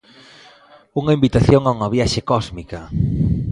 Unha invitación a unha viaxe cósmica.